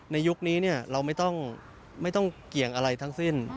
ยุคนี้เราไม่ต้องเกี่ยงอะไรทั้งสิ้น